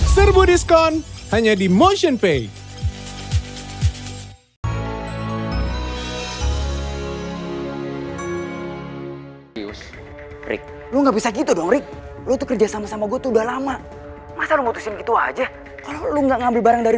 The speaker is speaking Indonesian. serbu diskon hanya di motionpay